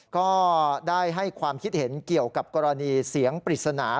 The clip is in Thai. ก็ได้ให้ความคิดเห็นเกี่ยวกับกรณีเสียงปริศนา